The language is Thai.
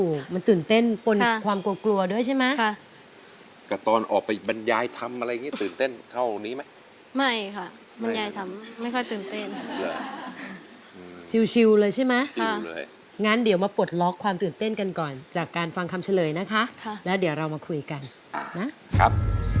คุณผู้ชมครับน้องโบร้องได้หรือว่าร้องผิดครับ